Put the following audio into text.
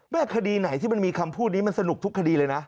คดีไหนที่มันมีคำพูดนี้มันสนุกทุกคดีเลยนะ